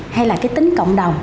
hay là cái tính cộng đồng